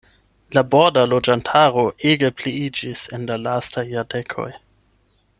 La borda loĝantaro ege pliiĝis en la lastaj jardekoj.